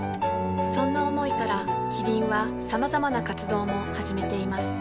そんな思いからキリンはさまざまな活動も始めています